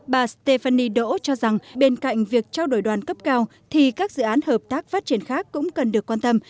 bà stéphane đỗ cho rằng bên cạnh việc trao đổi đoàn cấp cao thì các dự án hợp tác phát triển khác cũng cần được quan tâm